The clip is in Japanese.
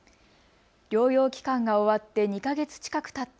療養期間が終わって２か月近くたった